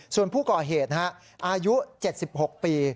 ส่วนผู้ก่อเหตุอายุ๗๖ปี